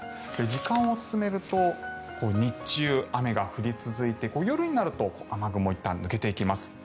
時間を進めると日中、雨が降り続いて夜になると雨雲はいったん抜けていきます。